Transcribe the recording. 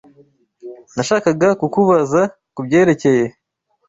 Nashakaga kukubaza kubyerekeye.